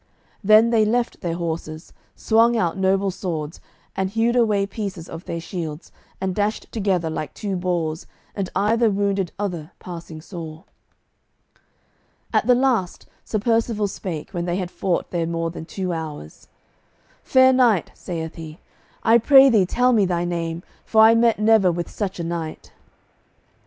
Then they left their horses, swung out noble swords, and hewed away pieces of their shields, and dashed together like two boars, and either wounded other passing sore. At the last Sir Percivale spake, when they had fought there more than two hours: "Fair knight," saith he, "I pray thee tell me thy name, for I met never with such a knight."